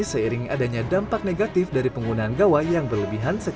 seiring adanya dampak negatif dari penggunaan gawai yang lebih mudah diterapkan dari patent